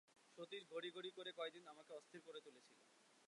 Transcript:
সতীশ ঘড়ি ঘড়ি করে কয়দিন আমাকে অস্থির করে তুলেছিল।